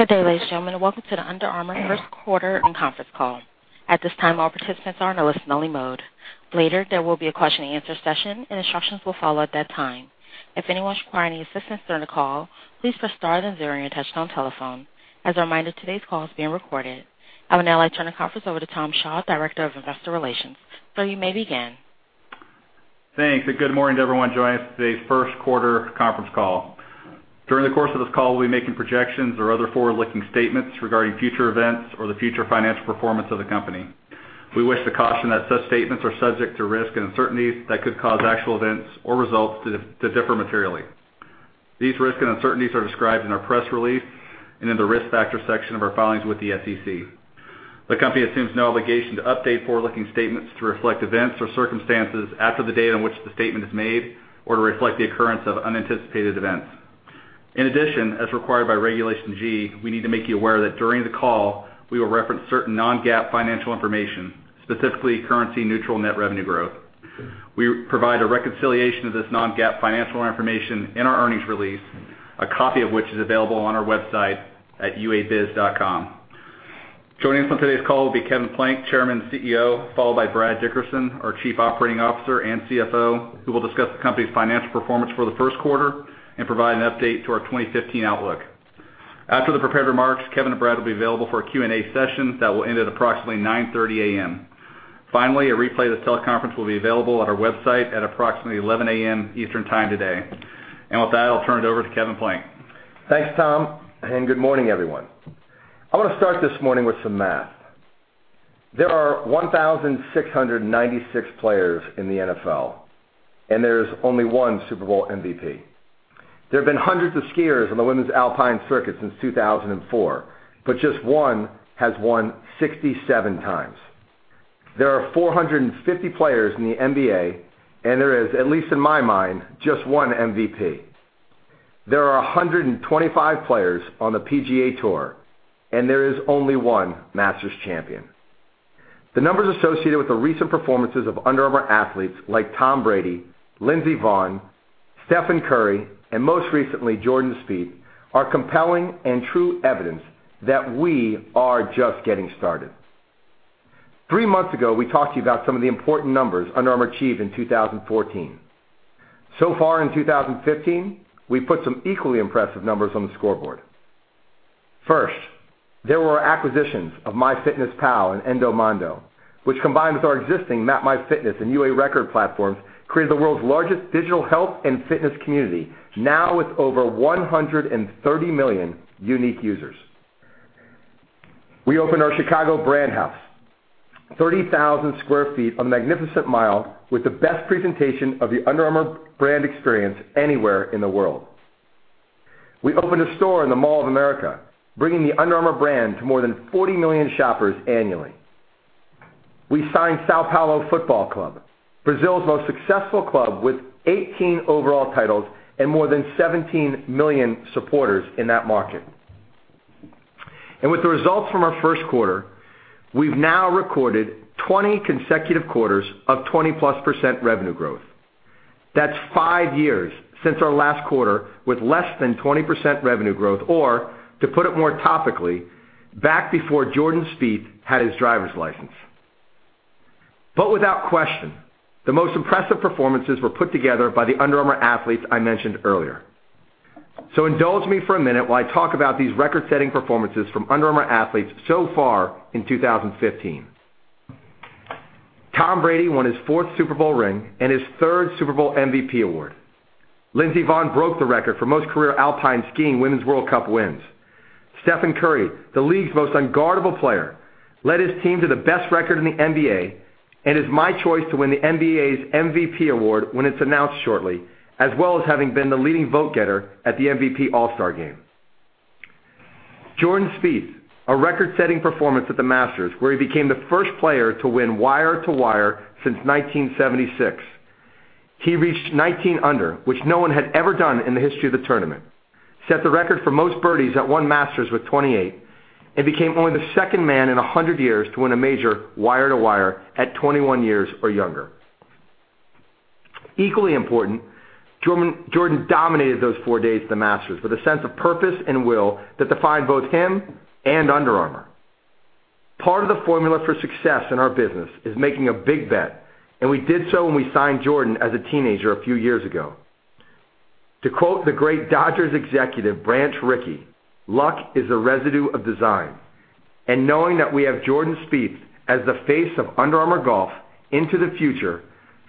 Good day, ladies and gentlemen. Welcome to the Under Armour first quarter earnings conference call. At this time, all participants are in a listen-only mode. Later, there will be a question-and-answer session, and instructions will follow at that time. If anyone is requiring any assistance during the call, please press star then zero on your touchtone telephone. As a reminder, today's call is being recorded. I would now like to turn the conference over to Tom Shaw, Director of Investor Relations. Sir, you may begin. Thanks. Good morning to everyone joining us for today's first quarter conference call. During the course of this call, we'll be making projections or other forward-looking statements regarding future events or the future financial performance of the company. We wish to caution that such statements are subject to risks and uncertainties that could cause actual events or results to differ materially. These risks and uncertainties are described in our press release and in the Risk Factors section of our filings with the SEC. The company assumes no obligation to update forward-looking statements to reflect events or circumstances after the date on which the statement is made or to reflect the occurrence of unanticipated events. In addition, as required by Regulation G, we need to make you aware that during the call, we will reference certain non-GAAP financial information, specifically currency-neutral net revenue growth. We provide a reconciliation of this non-GAAP financial information in our earnings release, a copy of which is available on our website at uabiz.com. Joining us on today's call will be Kevin Plank, Chairman and CEO, followed by Brad Dickerson, our Chief Operating Officer and CFO, who will discuss the company's financial performance for the first quarter and provide an update to our 2015 outlook. After the prepared remarks, Kevin and Brad will be available for a Q&A session that will end at approximately 9:30 A.M. Finally, a replay of this teleconference will be available on our website at approximately 11:00 A.M. Eastern Time today. With that, I'll turn it over to Kevin Plank. Thanks, Tom, and good morning, everyone. I want to start this morning with some math. There are 1,696 players in the NFL, and there's only one Super Bowl MVP. There have been hundreds of skiers on the women's Alpine Circuit since 2004, but just one has won 67 times. There are 450 players in the NBA, and there is, at least in my mind, just one MVP. There are 125 players on the PGA Tour, and there is only one Masters champion. The numbers associated with the recent performances of Under Armour athletes like Tom Brady, Lindsey Vonn, Stephen Curry, and most recently, Jordan Spieth, are compelling and true evidence that we are just getting started. Three months ago, we talked to you about some of the important numbers Under Armour achieved in 2014. In 2015, we've put some equally impressive numbers on the scoreboard. First, there were our acquisitions of MyFitnessPal and Endomondo, which combined with our existing MapMyFitness and UA Record platforms, created the world's largest digital health and fitness community, now with over 130 million unique users. We opened our Chicago Brand House, 30,000 sq ft on Magnificent Mile, with the best presentation of the Under Armour brand experience anywhere in the world. We opened a store in the Mall of America, bringing the Under Armour brand to more than 40 million shoppers annually. We signed São Paulo Futebol Clube, Brazil's most successful club with 18 overall titles and more than 17 million supporters in that market. With the results from our first quarter, we've now recorded 20 consecutive quarters of 20-plus % revenue growth. That's five years since our last quarter with less than 20% revenue growth or, to put it more topically, back before Jordan Spieth had his driver's license. Without question, the most impressive performances were put together by the Under Armour athletes I mentioned earlier. Indulge me for a minute while I talk about these record-setting performances from Under Armour athletes so far in 2015. Tom Brady won his fourth Super Bowl ring and his third Super Bowl MVP award. Lindsey Vonn broke the record for most career Alpine Skiing Women's World Cup wins. Stephen Curry, the league's most unguardable player, led his team to the best record in the NBA and is my choice to win the NBA's MVP award when it's announced shortly, as well as having been the leading vote-getter at the MVP All-Star Game. Jordan Spieth, a record-setting performance at the Masters, where he became the first player to win wire-to-wire since 1976. He reached 19 under, which no one had ever done in the history of the tournament, set the record for most birdies at one Masters with 28, and became only the second man in 100 years to win a major wire-to-wire at 21 years or younger. Equally important, Jordan dominated those four days at the Masters with a sense of purpose and will that defined both him and Under Armour. Part of the formula for success in our business is making a big bet, and we did so when we signed Jordan as a teenager a few years ago. To quote the great Dodgers executive Branch Rickey, "Luck is a residue of design," knowing that we have Jordan Spieth as the face of Under Armour Golf into the future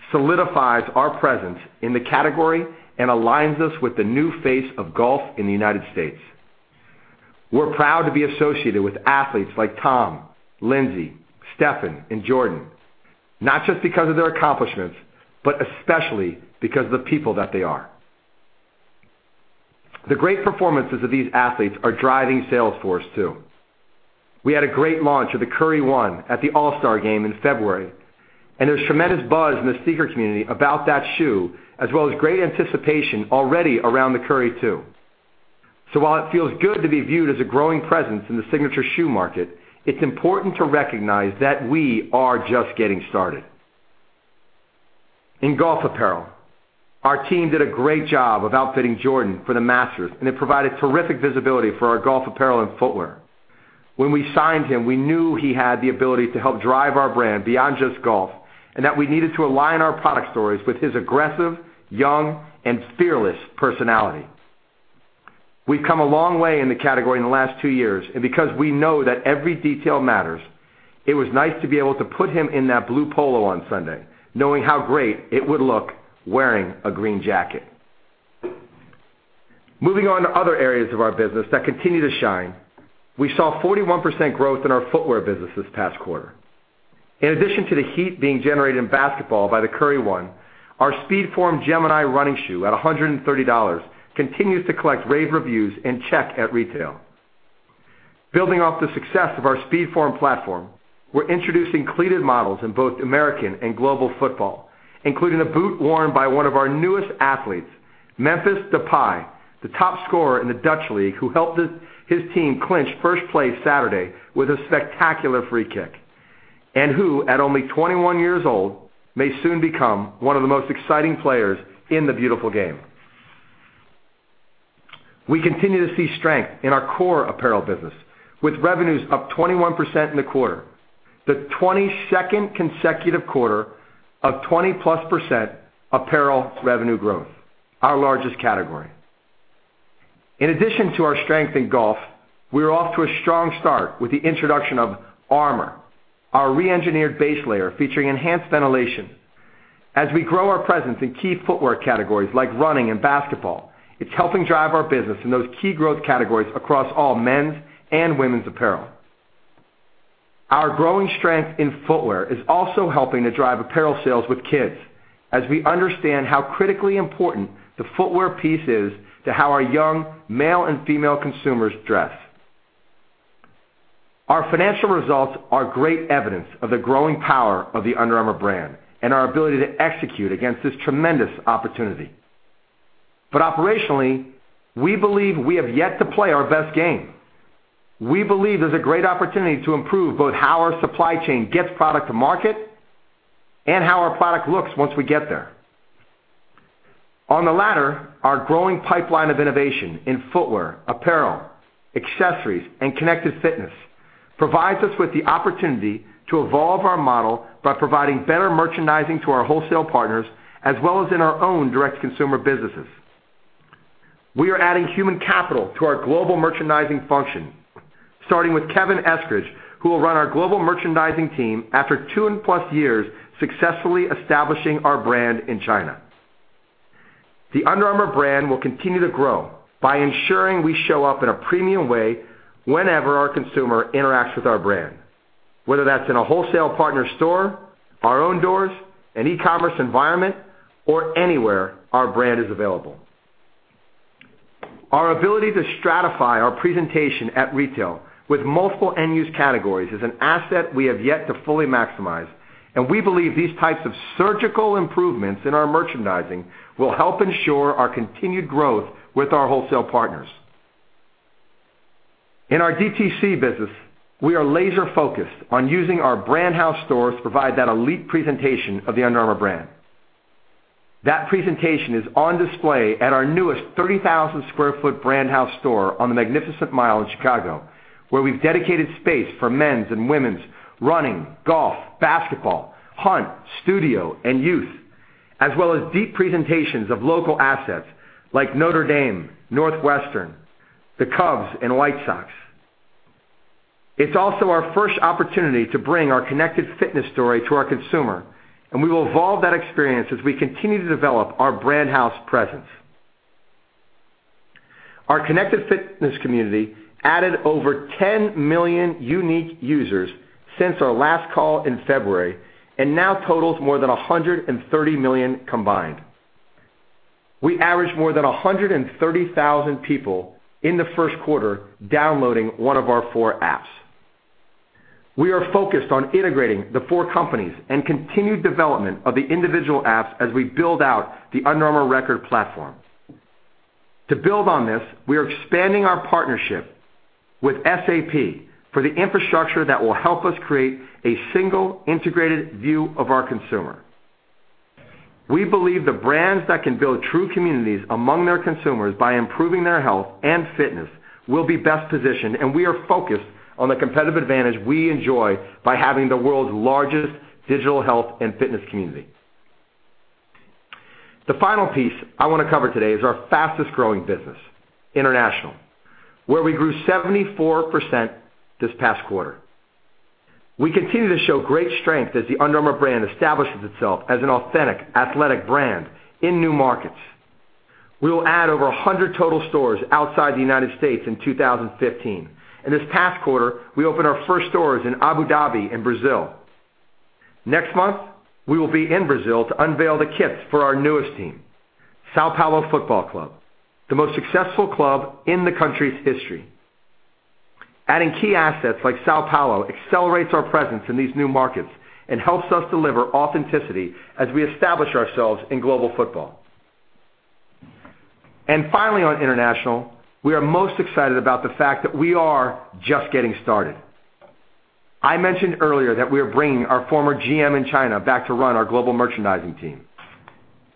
solidifies our presence in the category and aligns us with the new face of golf in the United States. We're proud to be associated with athletes like Tom, Lindsey, Stephen, and Jordan, not just because of their accomplishments, but especially because of the people that they are. The great performances of these athletes are driving sales for us, too. We had a great launch of the Curry One at the All-Star Game in February, there's tremendous buzz in the sneaker community about that shoe, as well as great anticipation already around the Curry Two. While it feels good to be viewed as a growing presence in the signature shoe market, it's important to recognize that we are just getting started. In golf apparel, our team did a great job of outfitting Jordan for the Masters, it provided terrific visibility for our golf apparel and footwear. When we signed him, we knew he had the ability to help drive our brand beyond just golf, that we needed to align our product stories with his aggressive, young, and fearless personality. We've come a long way in the category in the last two years, because we know that every detail matters, it was nice to be able to put him in that blue polo on Sunday, knowing how great it would look wearing a green jacket. Moving on to other areas of our business that continue to shine. We saw 41% growth in our footwear business this past quarter. In addition to the heat being generated in basketball by the Curry One, our SpeedForm Gemini running shoe at $130 continues to collect rave reviews and check at retail. Building off the success of our SpeedForm platform, we're introducing cleated models in both American and global football, including a boot worn by one of our newest athletes, Memphis Depay, the top scorer in the Dutch League, who helped his team clinch first place Saturday with a spectacular free kick. Who, at only 21 years old, may soon become one of the most exciting players in the beautiful game. We continue to see strength in our core apparel business, with revenues up 21% in the quarter. The 22nd consecutive quarter of 20-plus % apparel revenue growth, our largest category. In addition to our strength in golf, we're off to a strong start with the introduction of Armour, our re-engineered base layer featuring enhanced ventilation. As we grow our presence in key footwear categories like running and basketball, it's helping drive our business in those key growth categories across all men's and women's apparel. Our growing strength in footwear is also helping to drive apparel sales with kids, as we understand how critically important the footwear piece is to how our young male and female consumers dress. Our financial results are great evidence of the growing power of the Under Armour brand and our ability to execute against this tremendous opportunity. Operationally, we believe we have yet to play our best game. We believe there's a great opportunity to improve both how our supply chain gets product to market and how our product looks once we get there. On the latter, our growing pipeline of innovation in footwear, apparel, accessories, and Connected Fitness provides us with the opportunity to evolve our model by providing better merchandising to our wholesale partners, as well as in our own direct-to-consumer businesses. We are adding human capital to our global merchandising function, starting with Kevin Eskridge, who will run our global merchandising team after two and plus years successfully establishing our brand in China. The Under Armour brand will continue to grow by ensuring we show up in a premium way whenever our consumer interacts with our brand, whether that's in a wholesale partner store, our own doors, an e-commerce environment, or anywhere our brand is available. Our ability to stratify our presentation at retail with multiple end-use categories is an asset we have yet to fully maximize. We believe these types of surgical improvements in our merchandising will help ensure our continued growth with our wholesale partners. In our DTC business, we are laser-focused on using our Brand House stores to provide that elite presentation of the Under Armour brand. That presentation is on display at our newest 30,000 sq ft Brand House store on the Magnificent Mile in Chicago, where we've dedicated space for men's and women's running, golf, basketball, hunt, studio, and youth, as well as deep presentations of local assets like Notre Dame, Northwestern, the Cubs, and White Sox. It's also our first opportunity to bring our Connected Fitness story to our consumer. We will evolve that experience as we continue to develop our Brand House presence. Our Connected Fitness community added over 10 million unique users since our last call in February and now totals more than 130 million combined. We averaged more than 130,000 people in the first quarter downloading one of our four apps. We are focused on integrating the four companies and continued development of the individual apps as we build out the UA Record platform. To build on this, we are expanding our partnership with SAP for the infrastructure that will help us create a single integrated view of our consumer. We believe the brands that can build true communities among their consumers by improving their health and fitness will be best positioned. We are focused on the competitive advantage we enjoy by having the world's largest digital health and fitness community. The final piece I want to cover today is our fastest-growing business, international, where we grew 74% this past quarter. We continue to show great strength as the Under Armour brand establishes itself as an authentic athletic brand in new markets. We will add over 100 total stores outside the U.S. in 2015. In this past quarter, we opened our first stores in Abu Dhabi and Brazil. Next month, we will be in Brazil to unveil the kits for our newest team, São Paulo Futebol Clube, the most successful club in the country's history. Adding key assets like São Paulo accelerates our presence in these new markets and helps us deliver authenticity as we establish ourselves in global football. Finally, on international, we are most excited about the fact that we are just getting started. I mentioned earlier that we are bringing our former GM in China back to run our global merchandising team.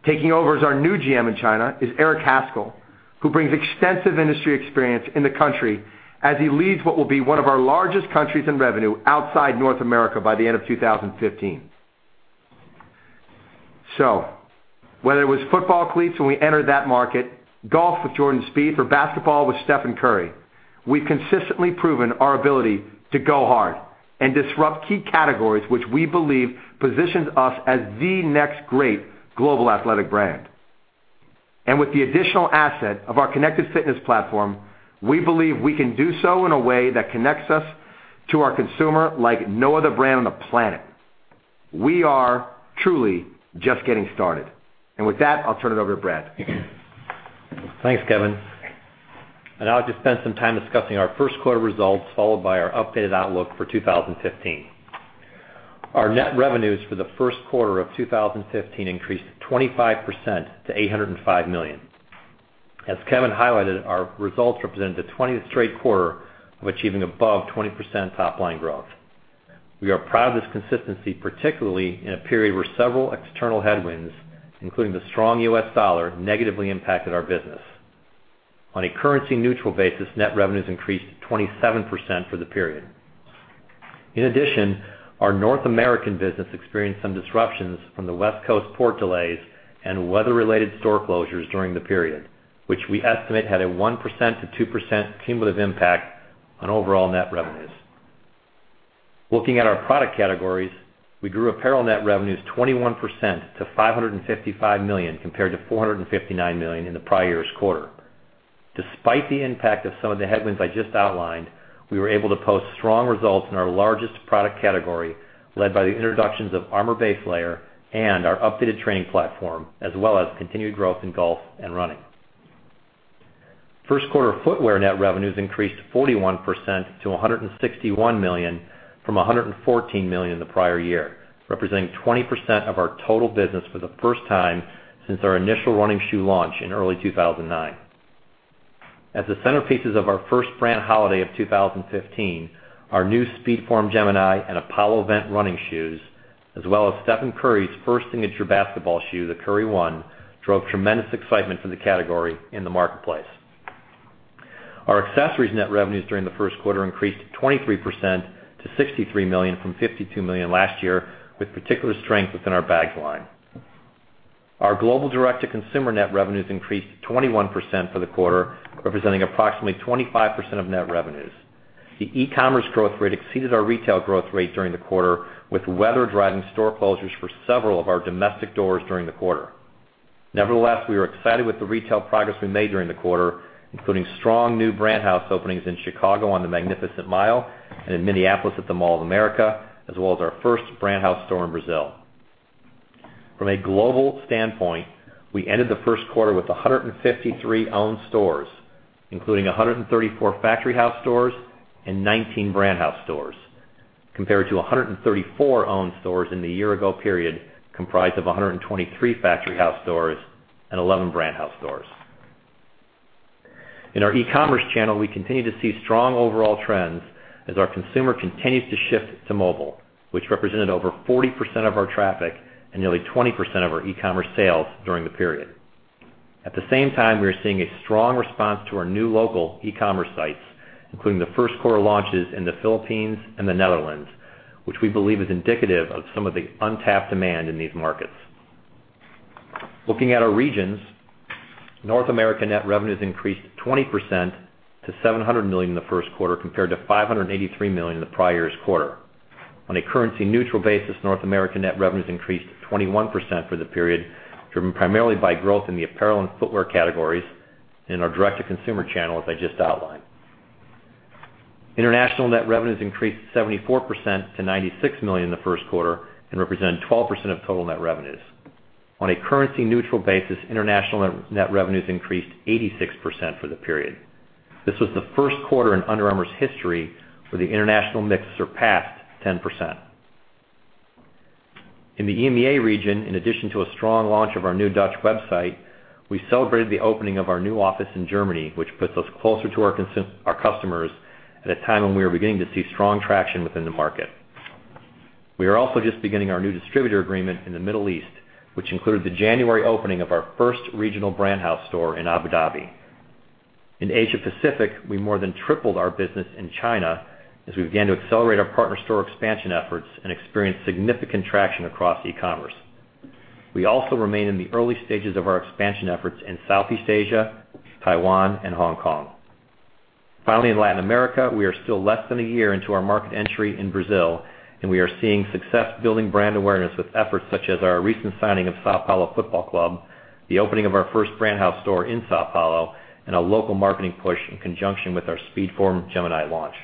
Taking over as our new GM in China is Eric Haskell, who brings extensive industry experience in the country as he leads what will be one of our largest countries in revenue outside North America by the end of 2015. Whether it was football cleats when we entered that market, golf with Jordan Spieth, or basketball with Stephen Curry, we've consistently proven our ability to go hard and disrupt key categories, which we believe positions us as the next great global athletic brand. With the additional asset of our Connected Fitness platform, we believe we can do so in a way that connects us to our consumer like no other brand on the planet. We are truly just getting started. With that, I'll turn it over to Brad. Thanks, Kevin. I'll just spend some time discussing our first quarter results, followed by our updated outlook for 2015. Our net revenues for the first quarter of 2015 increased 25% to $805 million. As Kevin highlighted, our results represented the 20th straight quarter of achieving above 20% top-line growth. We are proud of this consistency, particularly in a period where several external headwinds, including the strong U.S. dollar, negatively impacted our business. On a currency-neutral basis, net revenues increased 27% for the period. In addition, our North American business experienced some disruptions from the West Coast port delays and weather-related store closures during the period, which we estimate had a 1%-2% cumulative impact on overall net revenues. Looking at our product categories, we grew apparel net revenues 21% to $555 million, compared to $459 million in the prior year's quarter. Despite the impact of some of the headwinds I just outlined, we were able to post strong results in our largest product category, led by the introductions of Armour baselayer and our updated training platform, as well as continued growth in golf and running. First quarter footwear net revenues increased 41% to $161 million from $114 million the prior year, representing 20% of our total business for the first time since our initial running shoe launch in early 2009. As the centerpieces of our first brand holiday of 2015, our new SpeedForm Gemini and Apollo Vent running shoes, as well as Stephen Curry's first signature basketball shoe, the Curry One, drove tremendous excitement for the category in the marketplace. Our accessories net revenues during the first quarter increased 23% to $63 million from $52 million last year, with particular strength within our bags line. Our global direct-to-consumer net revenues increased 21% for the quarter, representing approximately 25% of net revenues. The e-commerce growth rate exceeded our retail growth rate during the quarter, with weather driving store closures for several of our domestic doors during the quarter. Nevertheless, we are excited with the retail progress we made during the quarter, including strong new Brand House openings in Chicago on the Magnificent Mile and in Minneapolis at the Mall of America, as well as our first Brand House store in Brazil. From a global standpoint, we ended the first quarter with 153 owned stores, including 134 Factory House stores and 19 Brand House stores, compared to 134 owned stores in the year-ago period, comprised of 123 Factory House stores and 11 Brand House stores. In our e-commerce channel, we continue to see strong overall trends as our consumer continues to shift to mobile, which represented over 40% of our traffic and nearly 20% of our e-commerce sales during the period. At the same time, we are seeing a strong response to our new local e-commerce sites, including the first quarter launches in the Philippines and the Netherlands, which we believe is indicative of some of the untapped demand in these markets. Looking at our regions, North America net revenues increased 20% to $700 million in the first quarter, compared to $583 million in the prior year's quarter. On a currency-neutral basis, North America net revenues increased 21% for the period, driven primarily by growth in the apparel and footwear categories in our direct-to-consumer channel, as I just outlined. International net revenues increased 74% to $96 million in the first quarter and represent 12% of total net revenues. On a currency-neutral basis, international net revenues increased 86% for the period. This was the first quarter in Under Armour's history where the international mix surpassed 10%. In the EMEA region, in addition to a strong launch of our new Dutch website, we celebrated the opening of our new office in Germany, which puts us closer to our customers at a time when we are beginning to see strong traction within the market. We are also just beginning our new distributor agreement in the Middle East, which included the January opening of our first regional Brand House store in Abu Dhabi. In Asia Pacific, we more than tripled our business in China as we began to accelerate our partner store expansion efforts and experienced significant traction across e-commerce. We also remain in the early stages of our expansion efforts in Southeast Asia, Taiwan, and Hong Kong. Finally, in Latin America, we are still less than a year into our market entry in Brazil, and we are seeing success building brand awareness with efforts such as our recent signing of São Paulo Futebol Clube, the opening of our first Brand House store in São Paulo, and a local marketing push in conjunction with our SpeedForm Gemini launch.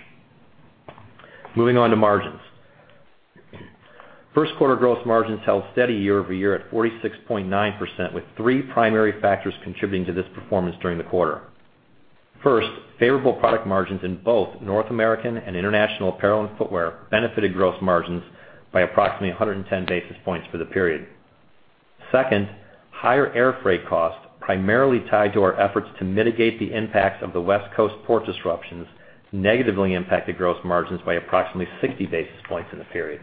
Moving on to margins. First quarter gross margins held steady year-over-year at 46.9%, with three primary factors contributing to this performance during the quarter. First, favorable product margins in both North American and international apparel and footwear benefited gross margins by approximately 110 basis points for the period. Second, higher air freight costs, primarily tied to our efforts to mitigate the impacts of the West Coast port disruptions, negatively impacted gross margins by approximately 60 basis points in the period.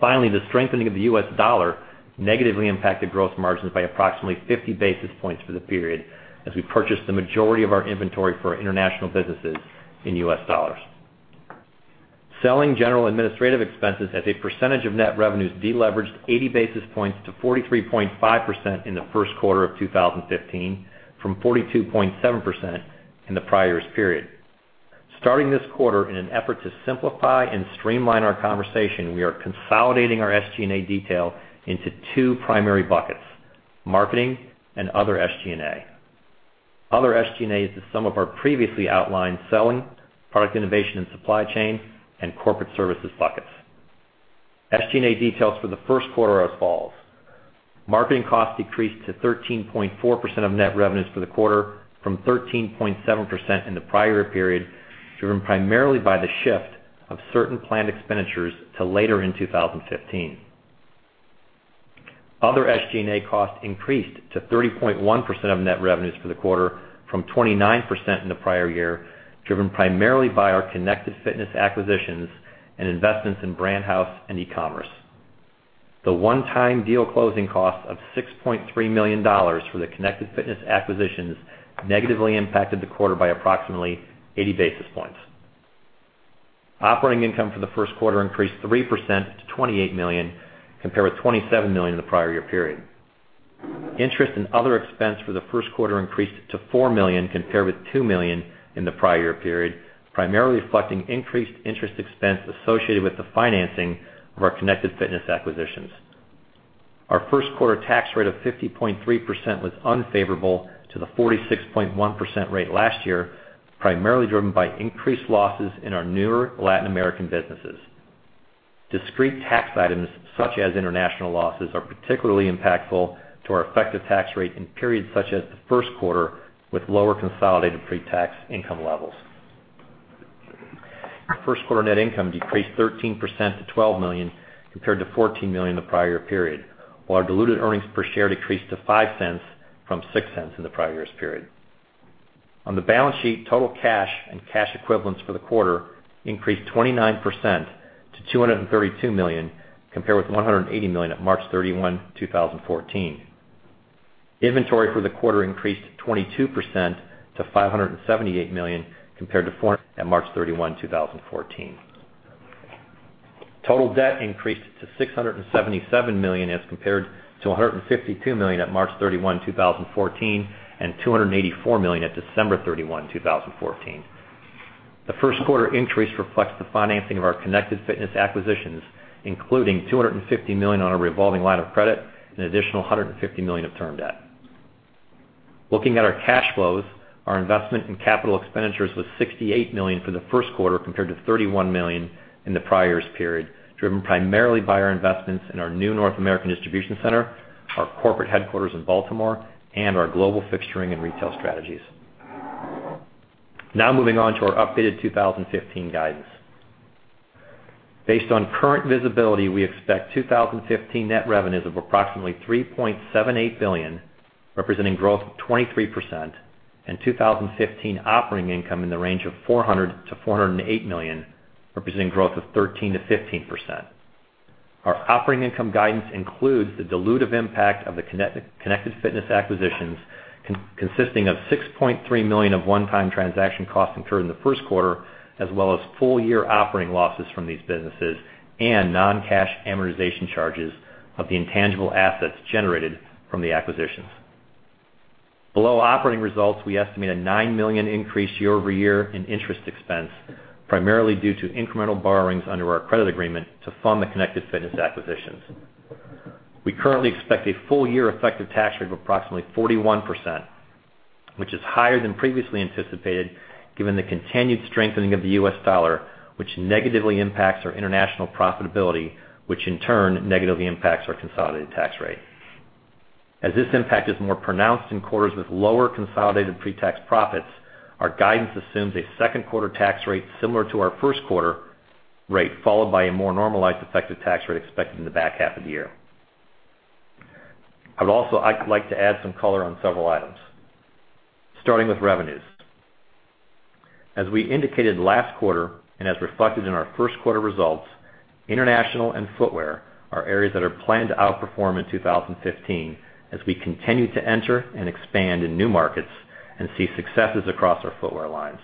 Finally, the strengthening of the US dollar negatively impacted gross margins by approximately 50 basis points for the period, as we purchased the majority of our inventory for our international businesses in US dollars. Selling general administrative expenses as a percentage of net revenues de-leveraged 80 basis points to 43.5% in the first quarter of 2015 from 42.7% in the prior year's period. Starting this quarter, in an effort to simplify and streamline our conversation, we are consolidating our SG&A detail into two primary buckets, marketing and other SG&A. Other SG&A is the sum of our previously outlined selling, product innovation and supply chain, and corporate services buckets. SG&A details for the first quarter are as follows. Marketing costs decreased to 13.4% of net revenues for the quarter from 13.7% in the prior period, driven primarily by the shift of certain planned expenditures to later in 2015. Other SG&A costs increased to 30.1% of net revenues for the quarter from 29% in the prior year, driven primarily by our Connected Fitness acquisitions and investments in Brand House and e-commerce. The one-time deal closing cost of $6.3 million for the Connected Fitness acquisitions negatively impacted the quarter by approximately 80 basis points. Operating income for the first quarter increased 3% to $28 million, compared with $27 million in the prior year period. Interest and other expense for the first quarter increased to $4 million, compared with $2 million in the prior year period, primarily reflecting increased interest expense associated with the financing of our Connected Fitness acquisitions. Our first quarter tax rate of 50.3% was unfavorable to the 46.1% rate last year, primarily driven by increased losses in our newer Latin American businesses. Discrete tax items, such as international losses, are particularly impactful to our effective tax rate in periods such as the first quarter with lower consolidated pretax income levels. Our first quarter net income decreased 13% to $12 million, compared to $14 million in the prior year period, while our diluted earnings per share decreased to $0.05 from $0.06 in the prior year's period. On the balance sheet, total cash and cash equivalents for the quarter increased 29% to $232 million, compared with $180 million at March 31, 2014. Inventory for the quarter increased 22% to $578 million, compared to $400 million at March 31, 2014. Total debt increased to $677 million as compared to $152 million at March 31, 2014, and $284 million at December 31, 2014. The first quarter increase reflects the financing of our Connected Fitness acquisitions, including $250 million on a revolving line of credit and an additional $150 million of term debt. Looking at our cash flows, our investment in capital expenditures was $68 million for the first quarter compared to $31 million in the prior year's period, driven primarily by our investments in our new North American distribution center, our corporate headquarters in Baltimore, and our global fixturing and retail strategies. Moving on to our updated 2015 guidance. Based on current visibility, we expect 2015 net revenues of approximately $3.78 billion, representing growth of 23%, and 2015 operating income in the range of $400 million-$408 million, representing growth of 13%-15%. Our operating income guidance includes the dilutive impact of the Connected Fitness acquisitions, consisting of $6.3 million of one-time transaction costs incurred in the first quarter, as well as full-year operating losses from these businesses and non-cash amortization charges of the intangible assets generated from the acquisitions. Below operating results, we estimate a $9 million increase year-over-year in interest expense, primarily due to incremental borrowings under our credit agreement to fund the Connected Fitness acquisitions. We currently expect a full-year effective tax rate of approximately 41%, which is higher than previously anticipated given the continued strengthening of the US dollar, which negatively impacts our international profitability, which in turn negatively impacts our consolidated tax rate. As this impact is more pronounced in quarters with lower consolidated pretax profits, our guidance assumes a second quarter tax rate similar to our first quarter rate, followed by a more normalized effective tax rate expected in the back half of the year. I would also like to add some color on several items. Starting with revenues. As we indicated last quarter, and as reflected in our first quarter results, international and footwear are areas that are planned to outperform in 2015 as we continue to enter and expand in new markets and see successes across our footwear lines.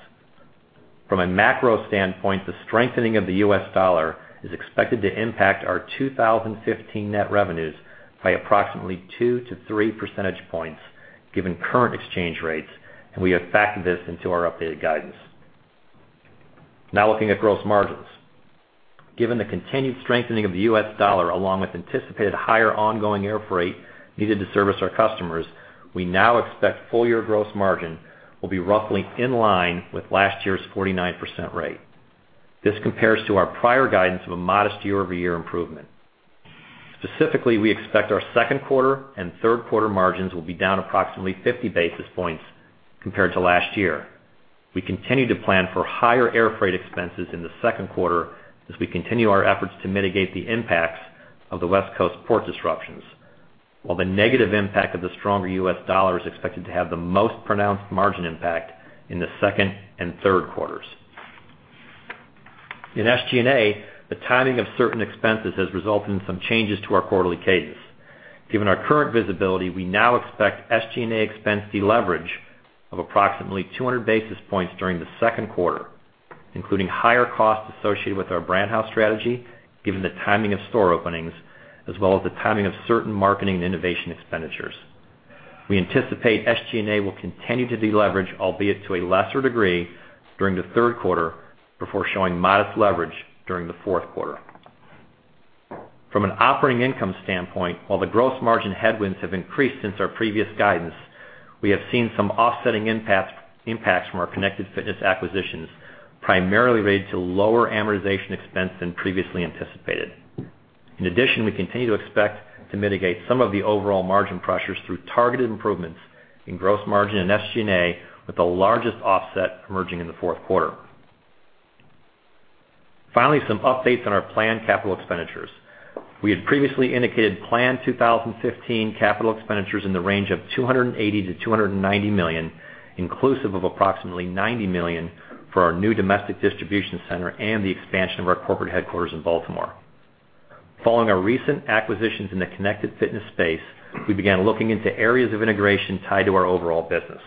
From a macro standpoint, the strengthening of the US dollar is expected to impact our 2015 net revenues by approximately two to three percentage points given current exchange rates, and we have factored this into our updated guidance. Now looking at gross margins. Given the continued strengthening of the U.S. dollar, along with anticipated higher ongoing air freight needed to service our customers, we now expect full-year gross margin will be roughly in line with last year's 49% rate. This compares to our prior guidance of a modest year-over-year improvement. Specifically, we expect our second quarter and third quarter margins will be down approximately 50 basis points compared to last year. We continue to plan for higher air freight expenses in the second quarter as we continue our efforts to mitigate the impacts of the West Coast port disruptions. The negative impact of the stronger U.S. dollar is expected to have the most pronounced margin impact in the second and third quarters. In SG&A, the timing of certain expenses has resulted in some changes to our quarterly cadence. Given our current visibility, we now expect SG&A expense deleverage of approximately 200 basis points during the second quarter, including higher costs associated with our Brand House strategy, given the timing of store openings, as well as the timing of certain marketing and innovation expenditures. We anticipate SG&A will continue to deleverage, albeit to a lesser degree, during the third quarter, before showing modest leverage during the fourth quarter. From an operating income standpoint, while the gross margin headwinds have increased since our previous guidance, we have seen some offsetting impacts from our Connected Fitness acquisitions, primarily related to lower amortization expense than previously anticipated. In addition, we continue to expect to mitigate some of the overall margin pressures through targeted improvements in gross margin and SG&A, with the largest offset emerging in the fourth quarter. Finally, some updates on our planned capital expenditures. We had previously indicated planned 2015 capital expenditures in the range of $280 million-$290 million, inclusive of approximately $90 million for our new domestic distribution center and the expansion of our corporate headquarters in Baltimore. Following our recent acquisitions in the Connected Fitness space, we began looking into areas of integration tied to our overall business.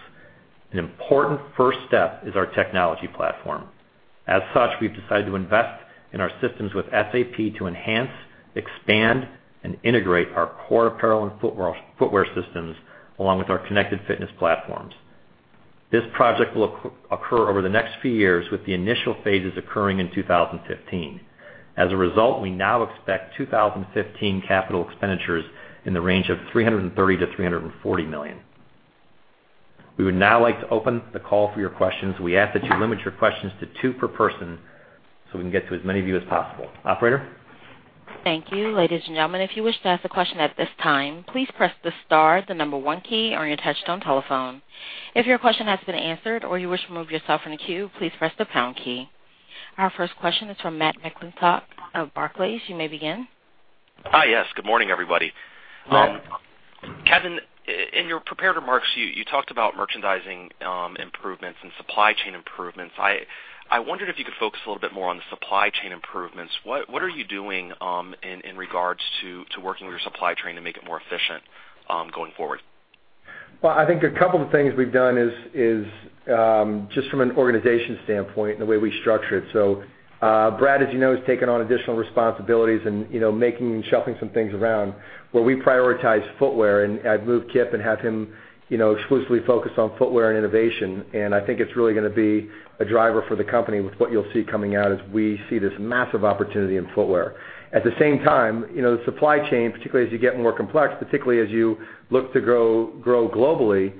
An important first step is our technology platform. As such, we've decided to invest in our systems with SAP to enhance, expand, and integrate our core apparel and footwear systems, along with our Connected Fitness platforms. This project will occur over the next few years, with the initial phases occurring in 2015. As a result, we now expect 2015 capital expenditures in the range of $330 million-$340 million. We would now like to open the call for your questions. We ask that you limit your questions to two per person so we can get to as many of you as possible. Operator? Thank you. Ladies and gentlemen, if you wish to ask a question at this time, please press the star, the number one key on your touchtone telephone. If your question has been answered or you wish to remove yourself from the queue, please press the pound key. Our first question is from Matt McClintock of Barclays. You may begin. Hi. Yes. Good morning, everybody. Kevin, in your prepared remarks, you talked about merchandising improvements and supply chain improvements. I wondered if you could focus a little bit more on the supply chain improvements. What are you doing in regards to working with your supply chain to make it more efficient going forward? Well, I think a couple of things we've done is just from an organization standpoint and the way we structure it. Brad, as you know, has taken on additional responsibilities and shuffling some things around, where we prioritize footwear. I've moved Kip and have him exclusively focus on footwear and innovation. I think it's really going to be a driver for the company with what you'll see coming out as we see this massive opportunity in footwear. At the same time, the supply chain, particularly as you get more complex, particularly as you look to grow globally,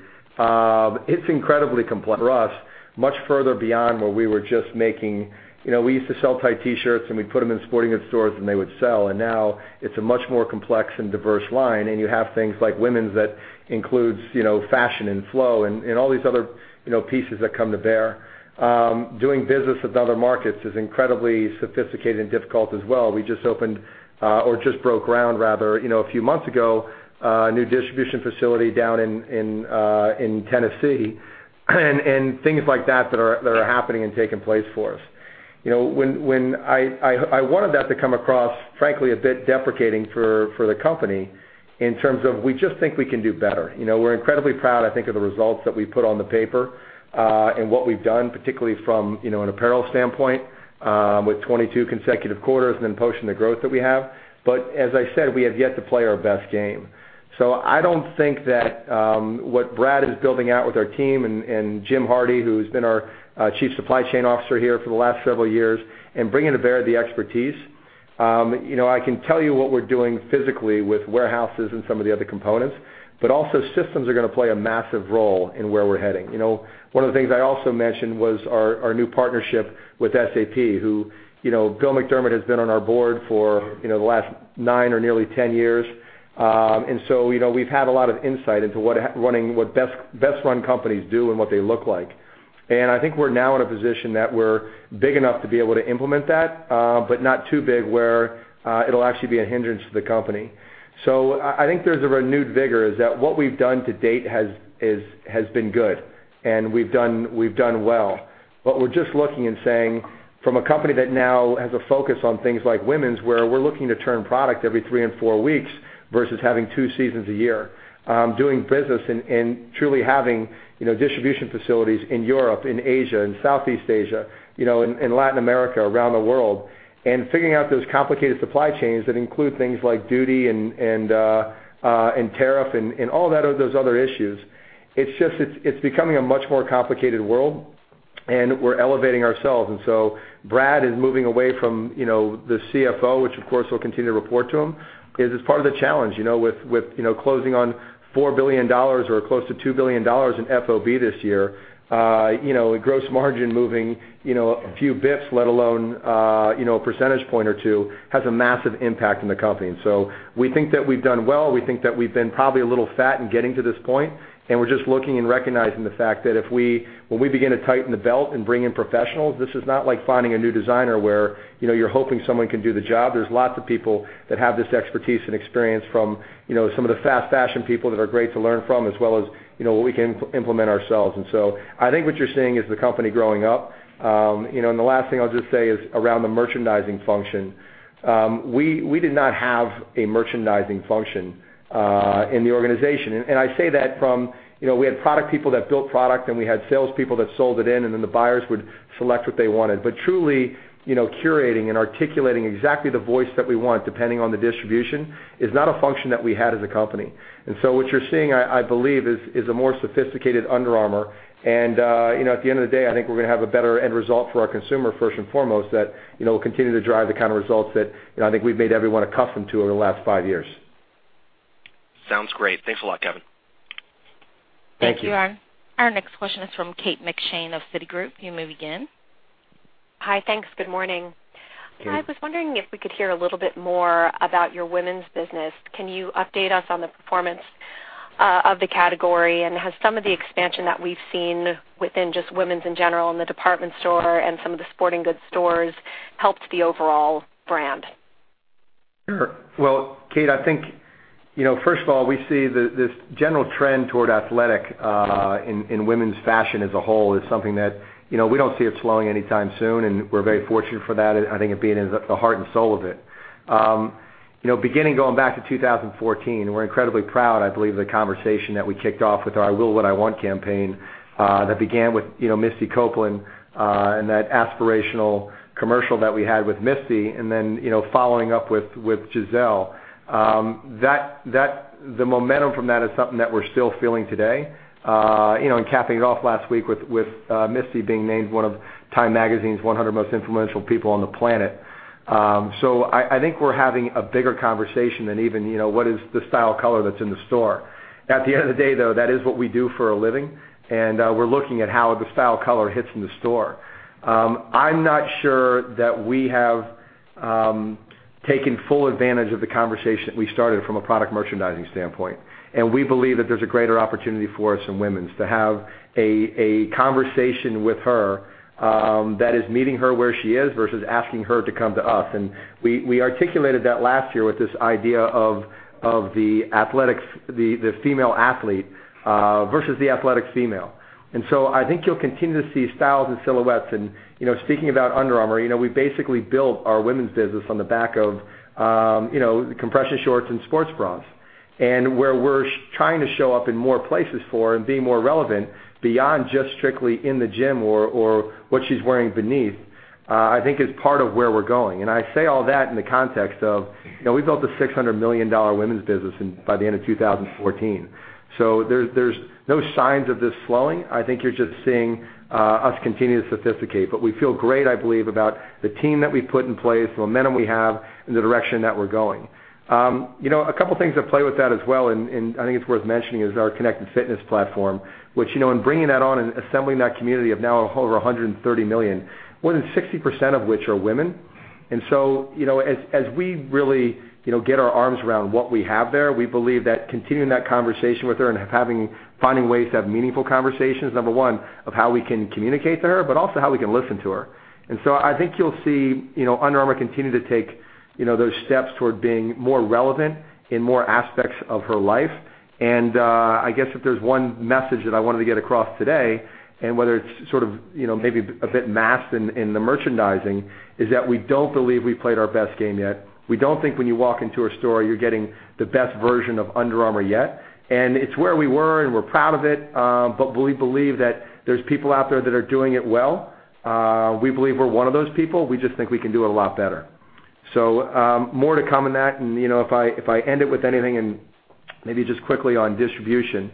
it's incredibly complex for us, much further beyond where we were just We used to sell tight T-shirts, and we'd put them in sporting goods stores, and they would sell. Now it's a much more complex and diverse line, and you have things like women's that includes fashion and flow and all these other pieces that come to bear. Doing business with other markets is incredibly sophisticated and difficult as well. We just opened, or just broke ground rather, a few months ago, a new distribution facility down in Tennessee and things like that that are happening and taking place for us. I wanted that to come across, frankly, a bit deprecating for the company in terms of, we just think we can do better. We're incredibly proud, I think, of the results that we've put on the paper and what we've done, particularly from an apparel standpoint with 22 consecutive quarters and then posting the growth that we have. As I said, we have yet to play our best game. I don't think that what Brad is building out with our team and Jim Hardy, who's been our Chief Supply Chain Officer here for the last several years, and bringing to bear the expertise. I can tell you what we're doing physically with warehouses and some of the other components, but also systems are going to play a massive role in where we're heading. One of the things I also mentioned was our new partnership with SAP, who Bill McDermott has been on our board for the last nine or nearly 10 years. We've had a lot of insight into what best-run companies do and what they look like. I think we're now in a position that we're big enough to be able to implement that but not too big where it'll actually be a hindrance to the company. I think there's a renewed vigor, is that what we've done to date has been good, and we've done well. We're just looking and saying, from a company that now has a focus on things like women's, where we're looking to turn product every three and four weeks versus having two seasons a year, doing business and truly having distribution facilities in Europe, in Asia, in Southeast Asia, in Latin America, around the world, and figuring out those complicated supply chains that include things like duty and tariff and all those other issues. It's becoming a much more complicated world. We're elevating ourselves. Brad is moving away from the CFO, which, of course, will continue to report to him, because it's part of the challenge. With closing on $4 billion or close to $2 billion in FOB this year, a gross margin moving a few bps, let alone a percentage point or two, has a massive impact on the company. We think that we've done well. We think that we've been probably a little fat in getting to this point, and we're just looking and recognizing the fact that when we begin to tighten the belt and bring in professionals, this is not like finding a new designer where you're hoping someone can do the job. There's lots of people that have this expertise and experience from some of the fast fashion people that are great to learn from, as well as what we can implement ourselves. I think what you're seeing is the company growing up. The last thing I'll just say is around the merchandising function. We did not have a merchandising function in the organization. I say that from, we had product people that built product, and we had salespeople that sold it in, and then the buyers would select what they wanted. Truly, curating and articulating exactly the voice that we want, depending on the distribution, is not a function that we had as a company. What you're seeing, I believe, is a more sophisticated Under Armour. At the end of the day, I think we're going to have a better end result for our consumer, first and foremost, that will continue to drive the kind of results that I think we've made everyone accustomed to over the last five years. Sounds great. Thanks a lot, Kevin. Thank you. Thank you, Aaron. Our next question is from Kate McShane of Citigroup. You may begin. Hi, thanks. Good morning. Good morning. I was wondering if we could hear a little bit more about your women's business. Can you update us on the performance of the category, and has some of the expansion that we've seen within just women's in general in the department store and some of the sporting goods stores helped the overall brand? Sure. Well, Kate, I think, first of all, we see this general trend toward athletic in women's fashion as a whole is something that we don't see it slowing anytime soon, and we're very fortunate for that. I think it being the heart and soul of it. Beginning going back to 2014, we're incredibly proud, I believe, the conversation that we kicked off with our I Will What I Want campaign, that began with Misty Copeland, and that aspirational commercial that we had with Misty, and then following up with Gisele. The momentum from that is something that we're still feeling today, and capping it off last week with Misty being named one of Time magazine's 100 most influential people on the planet. I think we're having a bigger conversation than even what is the style color that's in the store. At the end of the day, though, that is what we do for a living, we're looking at how the style color hits in the store. I'm not sure that we have taken full advantage of the conversation we started from a product merchandising standpoint, we believe that there's a greater opportunity for us in women's to have a conversation with her that is meeting her where she is versus asking her to come to us. We articulated that last year with this idea of the female athlete versus the athletic female. I think you'll continue to see styles and silhouettes and, speaking about Under Armour, we basically built our women's business on the back of compression shorts and sports bras. Where we're trying to show up in more places for and be more relevant beyond just strictly in the gym or what she's wearing beneath, I think is part of where we're going. I say all that in the context of we built a $600 million women's business by the end of 2014. There's no signs of this slowing. I think you're just seeing us continue to sophisticate. We feel great, I believe, about the team that we put in place, the momentum we have, and the direction that we're going. A couple things at play with that as well, and I think it's worth mentioning, is our Connected Fitness platform, which in bringing that on and assembling that community of now over 130 million, more than 60% of which are women. As we really get our arms around what we have there, we believe that continuing that conversation with her and finding ways to have meaningful conversations, number one, of how we can communicate to her, but also how we can listen to her. I think you'll see Under Armour continue to take those steps toward being more relevant in more aspects of her life. I guess if there's one message that I wanted to get across today, and whether it's sort of maybe a bit masked in the merchandising, is that we don't believe we've played our best game yet. We don't think when you walk into our store, you're getting the best version of Under Armour yet. It's where we were, and we're proud of it, but we believe that there's people out there that are doing it well. We believe we're one of those people. We just think we can do it a lot better. More to come in that, and if I end it with anything, and maybe just quickly on distribution.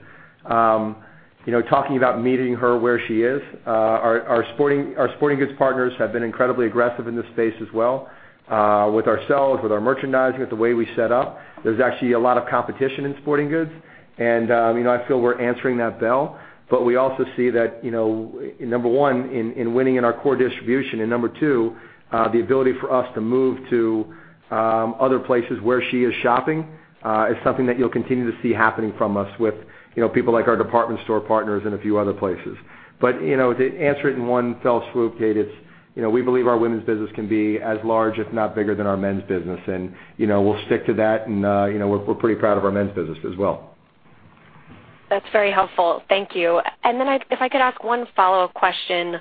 Talking about meeting her where she is, our sporting goods partners have been incredibly aggressive in this space as well. With ourselves, with our merchandising, with the way we set up, there's actually a lot of competition in sporting goods. I feel we're answering that bell. We also see that, number one, in winning in our core distribution, and number two, the ability for us to move to other places where she is shopping is something that you'll continue to see happening from us with people like our department store partners and a few other places. To answer it in one fell swoop, Kate, we believe our women's business can be as large, if not bigger, than our men's business, and we'll stick to that, and we're pretty proud of our men's business as well. That's very helpful. Thank you. Then if I could ask one follow-up question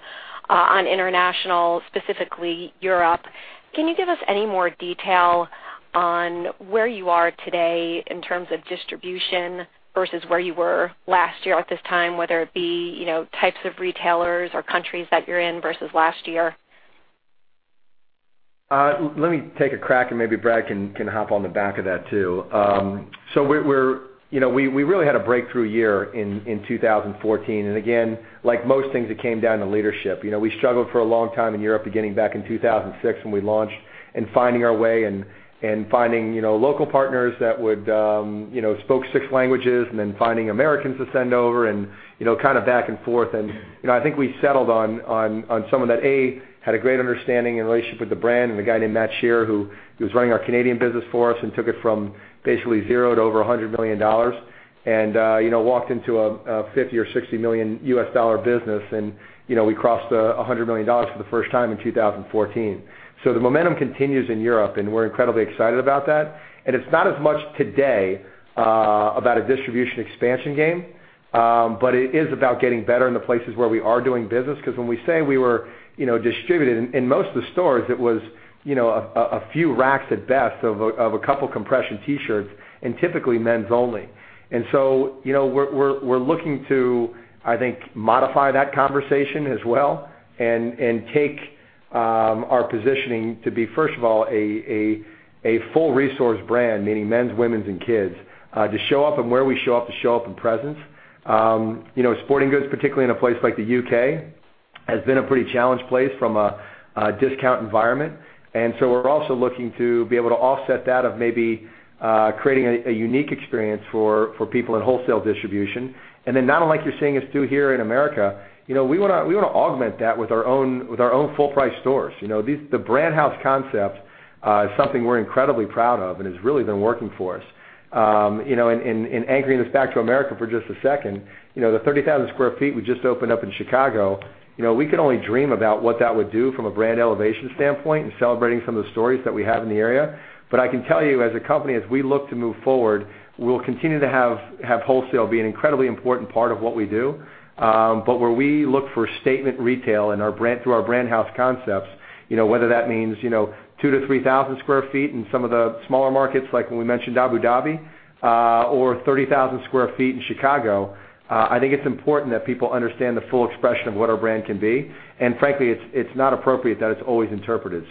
on international, specifically Europe. Can you give us any more detail on where you are today in terms of distribution versus where you were last year at this time, whether it be types of retailers or countries that you're in versus last year? Let me take a crack and maybe Brad can hop on the back of that, too. We really had a breakthrough year in 2014. Again, like most things, it came down to leadership. We struggled for a long time in Europe, beginning back in 2006 when we launched, finding our way and finding local partners that would spoke six languages, then finding Americans to send over and kind of back and forth. I think we settled on someone that, A, had a great understanding and relationship with the brand and a guy named Matt Shearer, who was running our Canadian business for us and took it from basically zero to over $100 million. Walked into a $50 million or $60 million US dollar business, and we crossed $100 million for the first time in 2014. The momentum continues in Europe, and we're incredibly excited about that. It's not as much today about a distribution expansion game. It is about getting better in the places where we are doing business, because when we say we were distributed in most of the stores, it was a few racks at best of a couple compression T-shirts and typically men's only. So we're looking to, I think, modify that conversation as well and take our positioning to be, first of all, a full resource brand, meaning men's, women's, and kids, to show up and where we show up, to show up in presence. Sporting goods, particularly in a place like the U.K., has been a pretty challenged place from a discount environment. So we're also looking to be able to offset that of maybe creating a unique experience for people in wholesale distribution. Now like you're seeing us do here in America, we want to augment that with our own full-price stores. The Brand House concept is something we're incredibly proud of and has really been working for us. Anchoring this back to America for just a second, the 30,000 sq ft we just opened up in Chicago, we could only dream about what that would do from a brand elevation standpoint and celebrating some of the stories that we have in the area. I can tell you, as a company, as we look to move forward, we'll continue to have wholesale be an incredibly important part of what we do. Where we look for statement retail through our Brand House concepts, whether that means 2,000 to 3,000 sq ft in some of the smaller markets, like when we mentioned Abu Dhabi, or 30,000 sq ft in Chicago, I think it's important that people understand the full expression of what our brand can be. Frankly, it's not appropriate that it's always interpreted.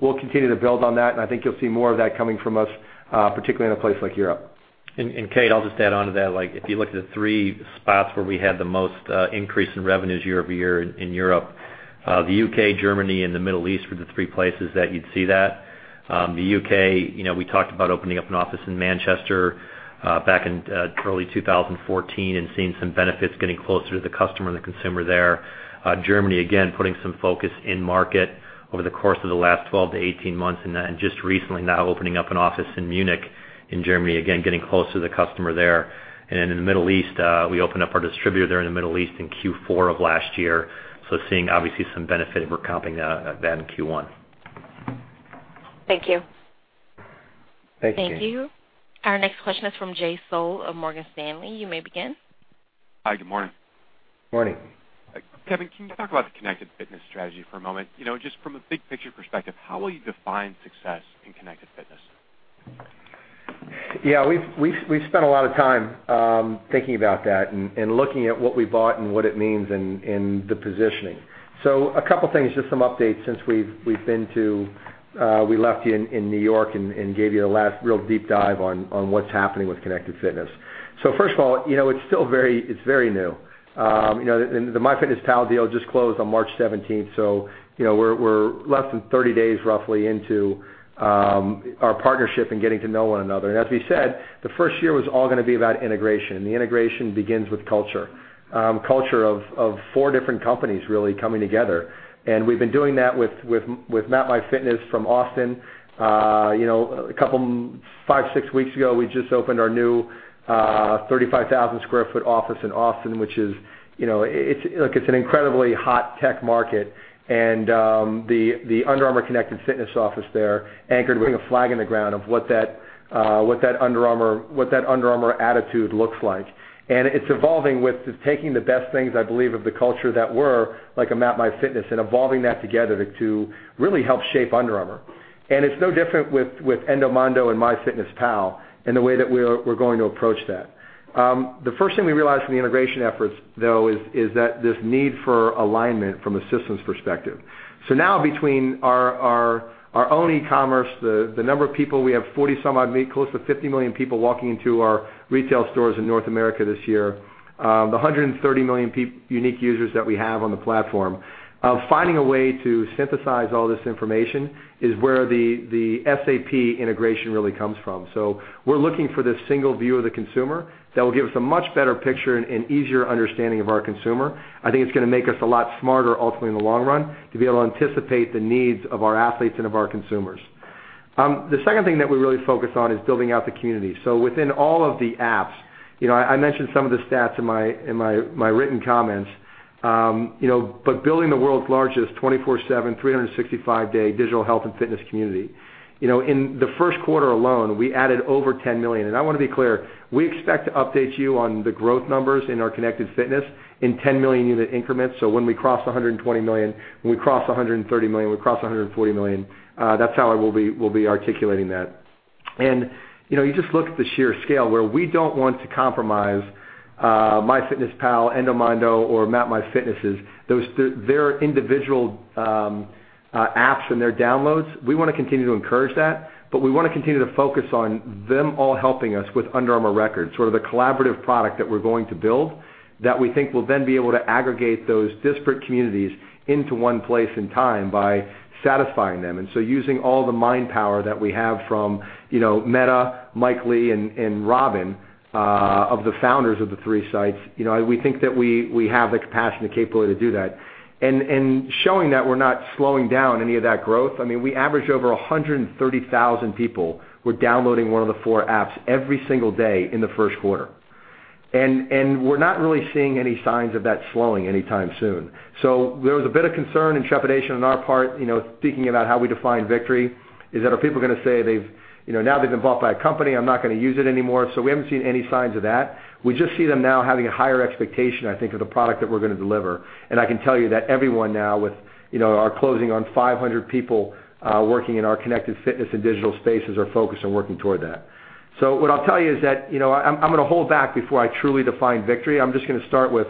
We'll continue to build on that, and I think you'll see more of that coming from us, particularly in a place like Europe. Kate, I'll just add onto that. If you look at the 3 spots where we had the most increase in revenues year-over-year in Europe, the U.K., Germany, and the Middle East were the 3 places that you'd see that. The U.K., we talked about opening up an office in Manchester back in early 2014 and seeing some benefits getting closer to the customer and the consumer there. Germany, again, putting some focus in market over the course of the last 12 to 18 months, just recently now opening up an office in Munich, in Germany, again, getting closer to the customer there. In the Middle East, we opened up our distributor there in the Middle East in Q4 of last year. Seeing obviously some benefit of recoping that in Q1. Thank you. Thank you. Thank you. Our next question is from Jay Sole of Morgan Stanley. You may begin. Hi. Good morning. Morning. Kevin, can you talk about the Connected Fitness strategy for a moment? Just from a big picture perspective, how will you define success in Connected Fitness? We've spent a lot of time thinking about that and looking at what we bought and what it means and the positioning. A couple things, just some updates since we left you in New York and gave you the last real deep dive on what's happening with Connected Fitness. First of all, it's very new. The MyFitnessPal deal just closed on March 17th, so we're less than 30 days roughly into our partnership and getting to know one another. As we said, the first year was all going to be about integration, and the integration begins with culture. Culture of four different companies really coming together. We've been doing that with MapMyFitness from Austin. Five, six weeks ago, we just opened our new 35,000 square foot office in Austin. It's an incredibly hot tech market, and the Under Armour Connected Fitness office there anchored with a flag in the ground of what that Under Armour attitude looks like. It's evolving with just taking the best things, I believe, of the culture that were, like a MapMyFitness, and evolving that together to really help shape Under Armour. It's no different with Endomondo and MyFitnessPal in the way that we're going to approach that. The first thing we realized from the integration efforts, though, is that this need for alignment from a systems perspective. Now between our own e-commerce, the number of people, we have 40 some odd, close to 50 million people walking into our retail stores in North America this year. The 130 million unique users that we have on the platform. Finding a way to synthesize all this information is where the SAP integration really comes from. We're looking for this single view of the consumer that will give us a much better picture and easier understanding of our consumer. I think it's going to make us a lot smarter, ultimately, in the long run, to be able to anticipate the needs of our athletes and of our consumers. The second thing that we really focus on is building out the community. Within all of the apps, I mentioned some of the stats in my written comments. Building the world's largest 24/7, 365-day digital health and fitness community. In the first quarter alone, we added over 10 million. I want to be clear, we expect to update you on the growth numbers in our Connected Fitness in 10 million unit increments. When we cross 120 million, when we cross 130 million, we cross 140 million, that's how we'll be articulating that. You just look at the sheer scale where we don't want to compromise MyFitnessPal, Endomondo, or MapMyFitnesses, their individual apps and their downloads. We want to continue to encourage that, but we want to continue to focus on them all helping us with Under Armour Record, sort of the collaborative product that we're going to build that we think will then be able to aggregate those disparate communities into one place and time by satisfying them. Using all the mind power that we have from Mette, Mike Lee and Robin, of the founders of the three sites, we think that we have the capacity and capability to do that. Showing that we're not slowing down any of that growth. We average over 130,000 people were downloading one of the 4 apps every single day in the first quarter. We're not really seeing any signs of that slowing anytime soon. There was a bit of concern and trepidation on our part, thinking about how we define victory, is that are people going to say, "Now they've been bought by a company, I'm not going to use it anymore." We haven't seen any signs of that. We just see them now having a higher expectation, I think, of the product that we're going to deliver. I can tell you that everyone now with our closing on 500 people, working in our Connected Fitness and digital spaces are focused on working toward that. What I'll tell you is that, I'm going to hold back before I truly define victory. I'm just going to start with,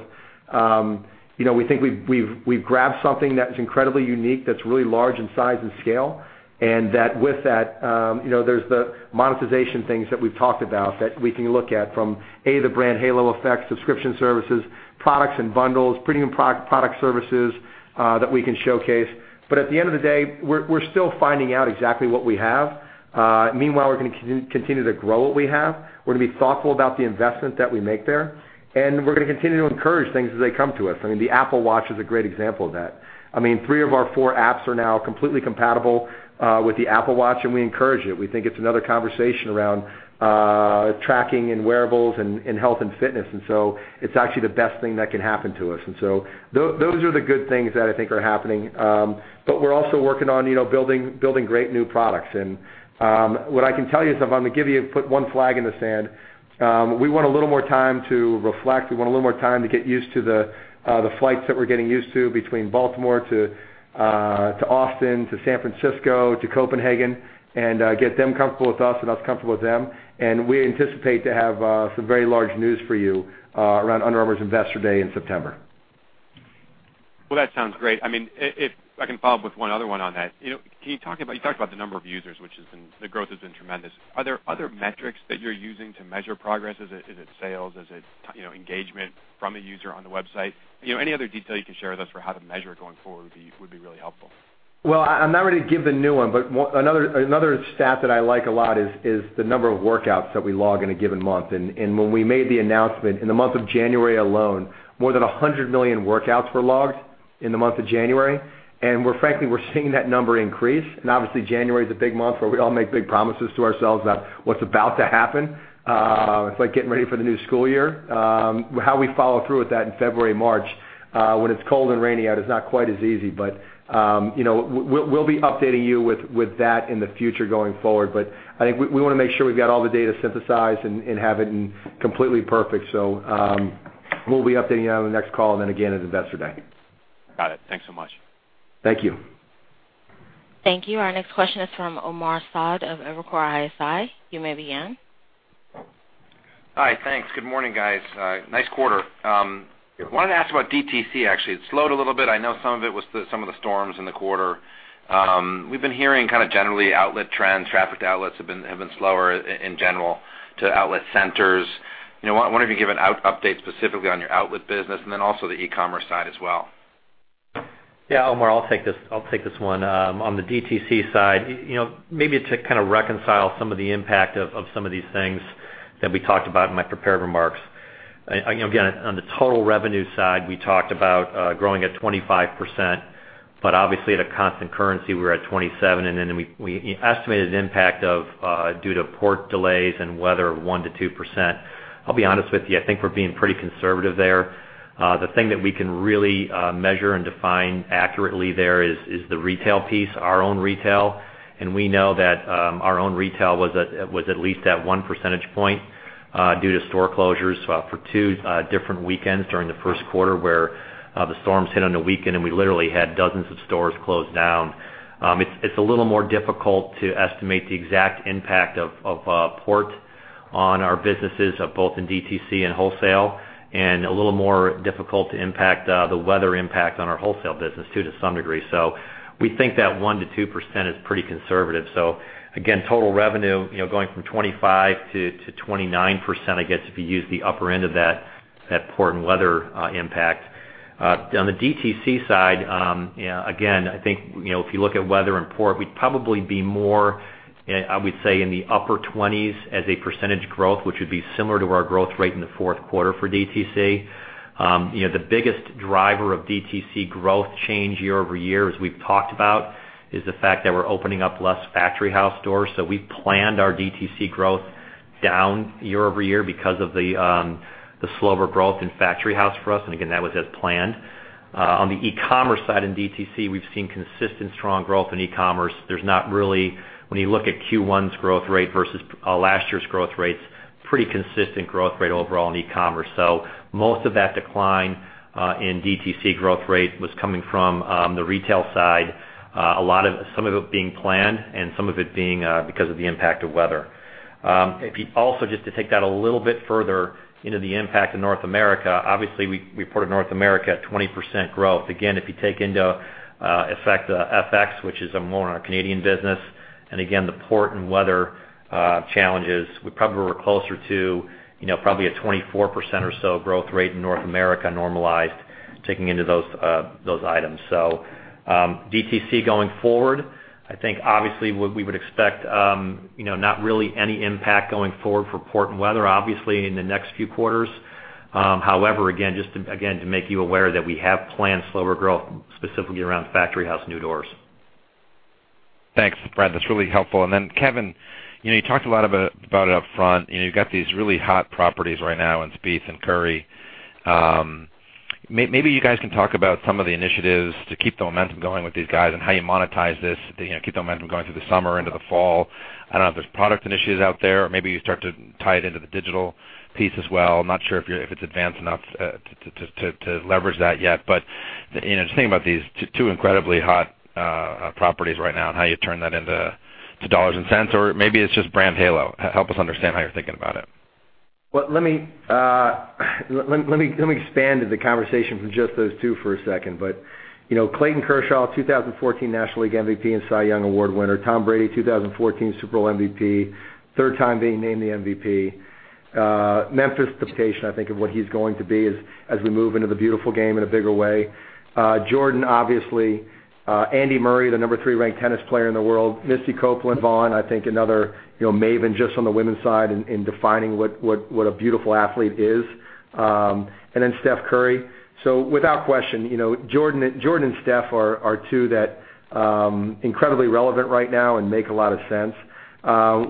we think we've grabbed something that's incredibly unique, that's really large in size and scale, and that with that, there's the monetization things that we've talked about that we can look at from, A, the brand halo effect, subscription services, products and bundles, premium product services, that we can showcase. At the end of the day, we're still finding out exactly what we have. Meanwhile, we're going to continue to grow what we have. We're going to be thoughtful about the investment that we make there, and we're going to continue to encourage things as they come to us. The Apple Watch is a great example of that. 3 of our 4 apps are now completely compatible with the Apple Watch, we encourage it. We think it's another conversation around tracking and wearables and health and fitness. It's actually the best thing that can happen to us. Those are the good things that I think are happening. We're also working on building great new products. What I can tell you is if I'm going to put one flag in the sand, we want a little more time to reflect. We want a little more time to get used to the flights that we're getting used to between Baltimore to Austin, to San Francisco to Copenhagen, and get them comfortable with us and us comfortable with them. We anticipate to have some very large news for you around Under Armour's Investor Day in September. Well, that sounds great. If I can follow up with one other one on that. You talked about the number of users, which the growth has been tremendous. Are there other metrics that you're using to measure progress? Is it sales? Is it engagement from a user on the website? Any other detail you can share with us for how to measure going forward would be really helpful. I'm not ready to give the new one, another stat that I like a lot is the number of workouts that we log in a given month. When we made the announcement, in the month of January alone, more than 100 million workouts were logged in the month of January. Frankly, we're seeing that number increase. Obviously January is a big month where we all make big promises to ourselves about what's about to happen. It's like getting ready for the new school year. How we follow through with that in February, March, when it's cold and rainy out is not quite as easy. We'll be updating you with that in the future going forward. I think we want to make sure we've got all the data synthesized and have it completely perfect. We'll be updating you on the next call again at Investor Day. Got it. Thanks so much. Thank you. Thank you. Our next question is from Omar Saad of Evercore ISI. You may begin. Hi. Thanks. Good morning, guys. Nice quarter. Yeah. Wanted to ask about DTC, actually. It slowed a little bit. I know some of it was some of the storms in the quarter. We've been hearing kind of generally outlet trends, traffic to outlets have been slower in general to outlet centers. I wonder if you can give an update specifically on your outlet business and then also the e-commerce side as well. Yeah, Omar, I'll take this one. On the DTC side, maybe to kind of reconcile some of the impact of some of these things that we talked about in my prepared remarks. On the total revenue side, we talked about growing at 25%, but obviously at a constant currency, we were at 27%. We estimated an impact of, due to port delays and weather, 1%-2%. I'll be honest with you, I think we're being pretty conservative there. The thing that we can really measure and define accurately there is the retail piece, our own retail. We know that our own retail was at least at one percentage point, due to store closures for two different weekends during the first quarter where the storms hit on the weekend and we literally had dozens of stores close down. It's a little more difficult to estimate the exact impact of port on our businesses, both in DTC and wholesale, and a little more difficult to impact the weather impact on our wholesale business, too, to some degree. We think that 1%-2% is pretty conservative. Total revenue, going from 25%-29%, I guess, if you use the upper end of that port and weather impact. On the DTC side, I think, if you look at weather and port, we'd probably be more, I would say in the upper 20s as a percentage growth, which would be similar to our growth rate in the fourth quarter for DTC. The biggest driver of DTC growth change year-over-year, as we've talked about, is the fact that we're opening up less Factory House stores. We planned our DTC growth down year-over-year because of the slower growth in Factory House for us. That was as planned. On the e-commerce side in DTC, we've seen consistent strong growth in e-commerce. When you look at Q1's growth rate versus last year's growth rates, pretty consistent growth rate overall in e-commerce. Most of that decline in DTC growth rate was coming from the retail side, some of it being planned and some of it being because of the impact of weather. Also, just to take that a little bit further into the impact of North America, obviously we reported North America at 20% growth. If you take into effect the FX, which is more in our Canadian business, the port and weather challenges, we probably were closer to probably a 24% or so growth rate in North America normalized, taking into those items. DTC going forward, I think obviously what we would expect, not really any impact going forward for port and weather, obviously, in the next few quarters. However, just to make you aware that we have planned slower growth specifically around Factory House and New Doors. Thanks, Brad. That's really helpful. Kevin, you talked a lot about it up front. You've got these really hot properties right now in Spieth and Curry. Maybe you guys can talk about some of the initiatives to keep the momentum going with these guys and how you monetize this to keep the momentum going through the summer into the fall. I don't know if there's product initiatives out there, or maybe you start to tie it into the digital piece as well. I'm not sure if it's advanced enough to leverage that yet, but just thinking about these two incredibly hot properties right now and how you turn that into dollars and cents, or maybe it's just brand halo. Help us understand how you're thinking about it. Well, let me expand the conversation from just those two for a second. Clayton Kershaw, 2014 National League MVP and Cy Young Award winner, Tom Brady, 2014 Super Bowl MVP, third time being named the MVP. Memphis Depay, I think of what he's going to be as we move into the beautiful game in a bigger way. Jordan, obviously. Andy Murray, the number 3 ranked tennis player in the world. Misty Copeland, Lindsey Vonn, I think another maven just on the women's side in defining what a beautiful athlete is. Then Steph Curry. Without question, Jordan and Steph are two that incredibly relevant right now and make a lot of sense.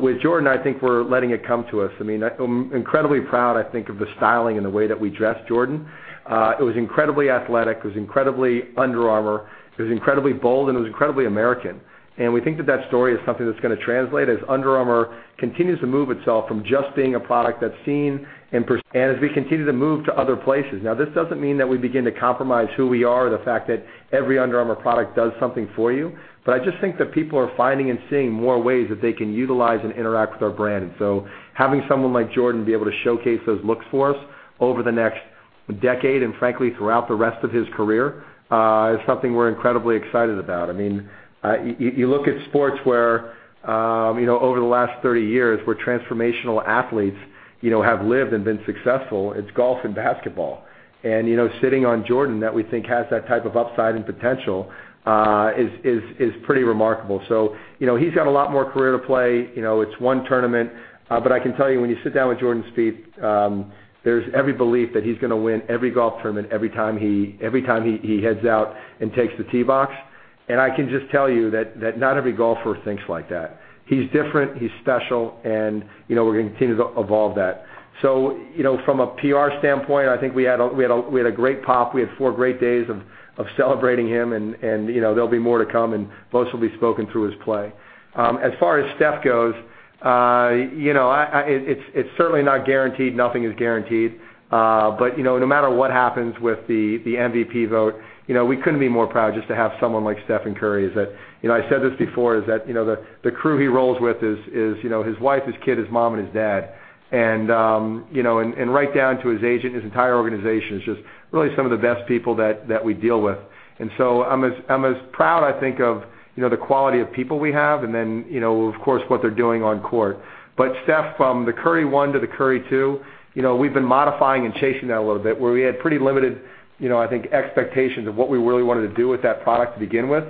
With Jordan, I think we're letting it come to us. I'm incredibly proud, I think, of the styling and the way that we dressed Jordan. It was incredibly athletic, it was incredibly Under Armour, it was incredibly bold, and it was incredibly American. We think that story is something that's going to translate as Under Armour continues to move itself from just being a product that's seen as we continue to move to other places. Now, this doesn't mean that we begin to compromise who we are, the fact that every Under Armour product does something for you. I just think that people are finding and seeing more ways that they can utilize and interact with our brand. Having someone like Jordan be able to showcase those looks for us over the next decade, and frankly, throughout the rest of his career, is something we're incredibly excited about. You look at sports where over the last 30 years, where transformational athletes have lived and been successful, it's golf and basketball. Sitting on Jordan that we think has that type of upside and potential is pretty remarkable. He's got a lot more career to play. It's one tournament, but I can tell you when you sit down with Jordan Spieth, there's every belief that he's going to win every golf tournament every time he heads out and takes the tee box, and I can just tell you that not every golfer thinks like that. He's different, he's special, and we're going to continue to evolve that. From a PR standpoint, I think we had a great pop. We had four great days of celebrating him, and there'll be more to come, and most will be spoken through his play. As far as Steph goes, it's certainly not guaranteed. Nothing is guaranteed. No matter what happens with the MVP vote, we couldn't be more proud just to have someone like Stephen Curry. I said this before, is that the crew he rolls with is his wife, his kid, his mom, and his dad. Right down to his agent, his entire organization is just really some of the best people that we deal with. I'm as proud, I think, of the quality of people we have, and then, of course, what they're doing on court. Steph, from the Curry One to the Curry Two, we've been modifying and chasing that a little bit, where we had pretty limited, I think, expectations of what we really wanted to do with that product to begin with,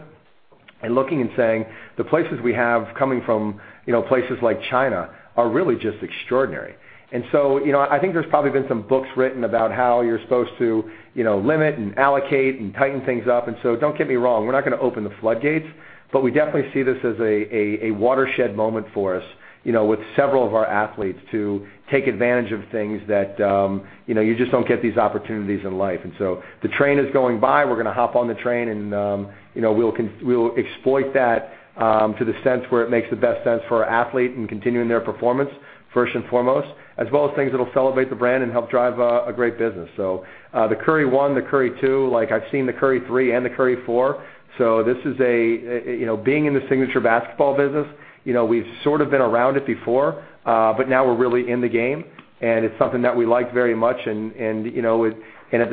and looking and saying the places we have coming from places like China are really just extraordinary. I think there's probably been some books written about how you're supposed to limit and allocate and tighten things up. Don't get me wrong, we're not going to open the floodgates, but we definitely see this as a watershed moment for us with several of our athletes to take advantage of things that you just don't get these opportunities in life. The train is going by, we're going to hop on the train, and we'll exploit that to the sense where it makes the best sense for our athlete in continuing their performance, first and foremost, as well as things that'll celebrate the brand and help drive a great business. The Curry One, the Curry Two, I've seen the Curry 3 and the Curry 4. Being in the signature basketball business, we've sort of been around it before, but now we're really in the game, and it's something that we like very much. At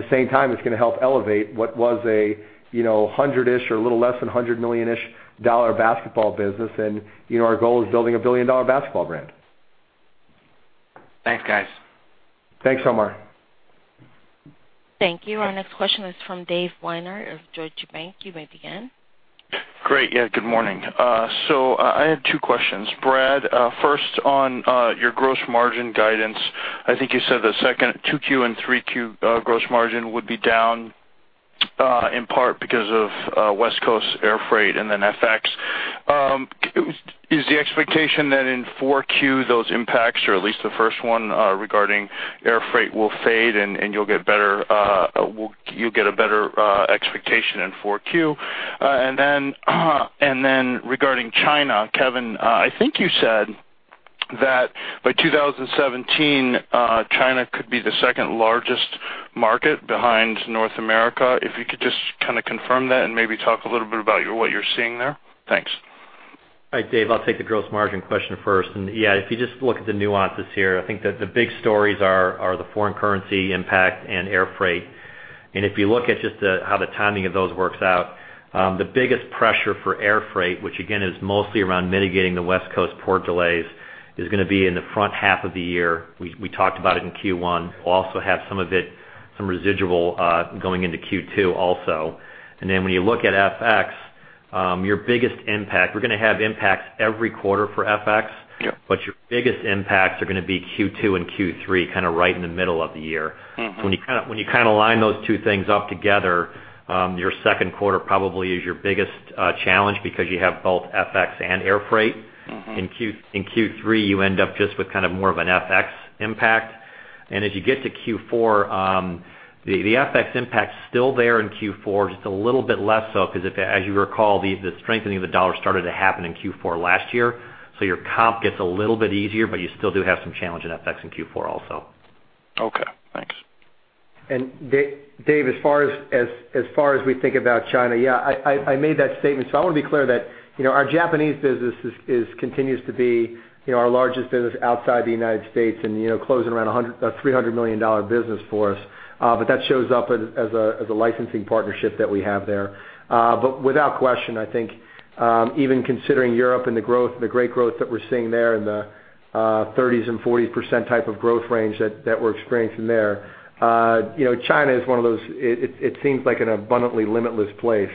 the same time, it's going to help elevate what was a 100-ish or a little less than $100 million-ish basketball business, and our goal is building a billion-dollar basketball brand. Thanks, guys. Thanks, Omar. Thank you. Our next question is from Dave Weiner of Deutsche Bank. You may begin. Great. Yeah, good morning. I had two questions. Brad, first on your gross margin guidance. I think you said the second 2Q and 3Q gross margin would be down in part because of West Coast air freight and then FX. Is the expectation that in 4Q those impacts, or at least the first one regarding air freight, will fade and you'll get a better expectation in 4Q? Then regarding China, Kevin, I think you said that by 2017, China could be the second largest market behind North America. If you could just kind of confirm that and maybe talk a little bit about what you're seeing there. Thanks. All right, Dave, I'll take the gross margin question first. Yeah, if you just look at the nuances here, I think that the big stories are the foreign currency impact and air freight. If you look at just how the timing of those works out, the biggest pressure for air freight, which again is mostly around mitigating the West Coast port delays, is going to be in the front half of the year. We talked about it in Q1. We'll also have some of it, some residual, going into Q2 also. Then when you look at FX, your biggest impact, we're going to have impacts every quarter for FX. Yep. Your biggest impacts are going to be Q2 and Q3, kind of right in the middle of the year. When you kind of line those two things up together, your second quarter probably is your biggest challenge because you have both FX and air freight. In Q3, you end up just with kind of more of an FX impact. As you get to Q4, the FX impact's still there in Q4, just a little bit less so because as you recall, the strengthening of the dollar started to happen in Q4 last year. Your comp gets a little bit easier, you still do have some challenge in FX in Q4 also. Okay, thanks. Dave, as far as we think about China, yeah, I made that statement. I want to be clear that our Japanese business continues to be our largest business outside the United States and closing around a $300 million business for us. That shows up as a licensing partnership that we have there. Without question, I think even considering Europe and the great growth that we're seeing there in the 30% and 40% type of growth range that we're experiencing there, China is one of those, it seems like an abundantly limitless place.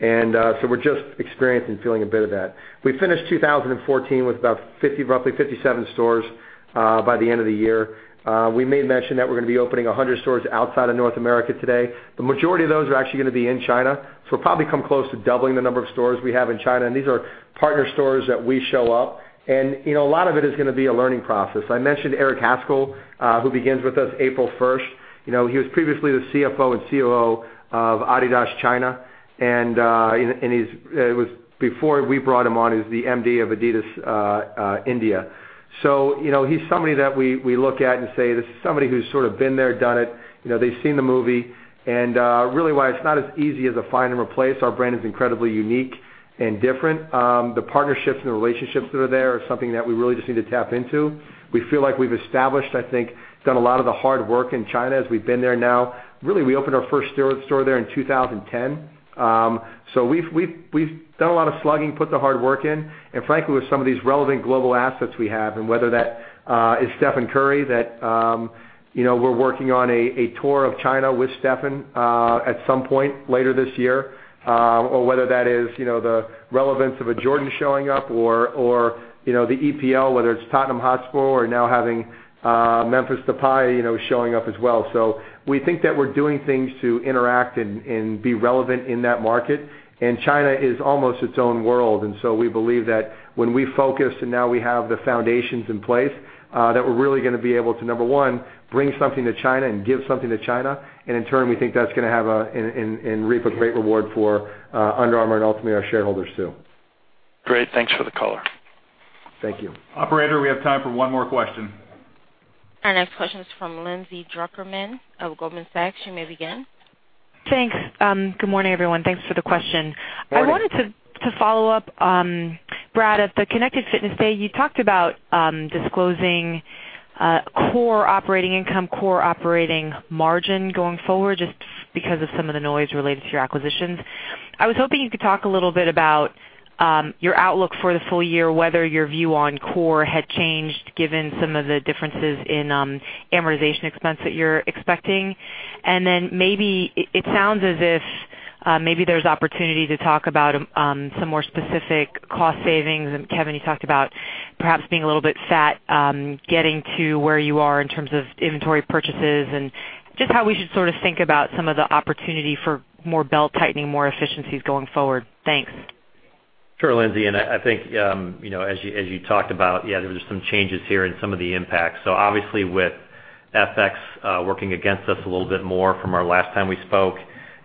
We're just experiencing and feeling a bit of that. We finished 2014 with about roughly 57 stores by the end of the year. We made mention that we're going to be opening 100 stores outside of North America today. The majority of those are actually going to be in China. We'll probably come close to doubling the number of stores we have in China, and these are partner stores that we show up, and a lot of it is going to be a learning process. I mentioned Eric Haskell, who begins with us April 1st. He was previously the CFO and COO of Adidas China, and before we brought him on, he was the MD of Adidas India. He's somebody that we look at and say, "This is somebody who's sort of been there, done it." They've seen the movie, and really why it's not as easy as a find and replace, our brand is incredibly unique and different. The partnerships and the relationships that are there are something that we really just need to tap into. We feel like we've established, I think, done a lot of the hard work in China as we've been there now. We opened our first store there in 2010. We've done a lot of slugging, put the hard work in, and frankly, with some of these relevant global assets we have, and whether that is Stephen Curry, that we're working on a tour of China with Stephen at some point later this year, or whether that is the relevance of a Jordan showing up or the EPL, whether it's Tottenham Hotspur or now having Memphis Depay showing up as well. We think that we're doing things to interact and be relevant in that market. China is almost its own world, and we believe that when we focus and now we have the foundations in place, that we're really going to be able to, number 1, bring something to China and give something to China. In turn, we think that's going to have and reap a great reward for Under Armour and ultimately our shareholders, too. Great. Thanks for the color. Thank you. Operator, we have time for one more question. Our next question is from Lindsay Drucker Mann of Goldman Sachs. You may begin. Thanks. Good morning, everyone. Thanks for the question. Morning. I wanted to follow up, Brad, at the Connected Fitness Day, you talked about disclosing core operating income, core operating margin going forward, just because of some of the noise related to your acquisitions. I was hoping you could talk a little bit about your outlook for the full year, whether your view on core had changed given some of the differences in amortization expense that you're expecting. Maybe it sounds as if there's opportunity to talk about some more specific cost savings, and Kevin, you talked about perhaps being a little bit fat, getting to where you are in terms of inventory purchases and just how we should sort of think about some of the opportunity for more belt-tightening, more efficiencies going forward. Thanks. Sure, Lindsay, I think, as you talked about, there's some changes here and some of the impacts. Obviously with FX working against us a little bit more from our last time we spoke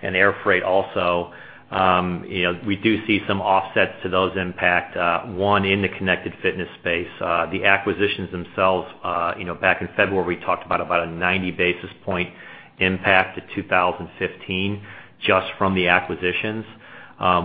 and air freight also, we do see some offsets to those impact, one in the Connected Fitness space. The acquisitions themselves, back in February, talked about a 90 basis point impact to 2015 just from the acquisitions.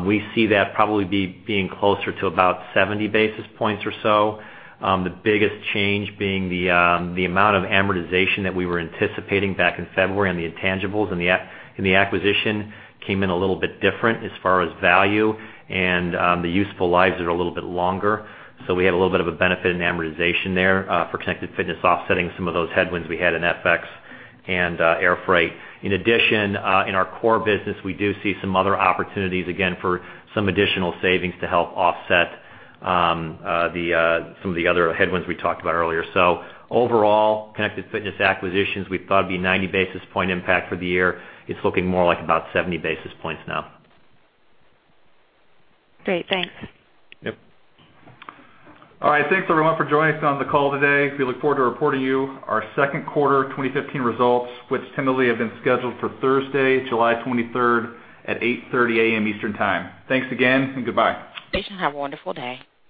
We see that probably being closer to about 70 basis points or so. The biggest change being the amount of amortization that we were anticipating back in February on the intangibles and the acquisition came in a little bit different as far as value, and the useful lives are a little bit longer. We had a little bit of a benefit in amortization there for Connected Fitness offsetting some of those headwinds we had in FX and air freight. In addition, in our core business, we do see some other opportunities, again, for some additional savings to help offset some of the other headwinds we talked about earlier. Overall, Connected Fitness acquisitions, we thought would be 90 basis point impact for the year. It's looking more like about 70 basis points now. Great. Thanks. Yep. All right. Thanks, everyone, for joining us on the call today. We look forward to reporting you our second quarter 2015 results, which currently have been scheduled for Thursday, July 23rd at 8:30 A.M. Eastern Time. Thanks again and goodbye. Thanks. Have a wonderful day.